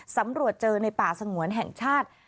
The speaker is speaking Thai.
สำรวจเจอในป่าสงวนแห่งชาติ